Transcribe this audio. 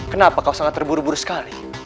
kenapa kau sangat terburu buru sekali